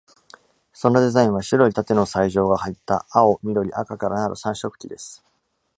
そのデザインは白い縦の采状が入った青、緑、赤から成る三色旗です。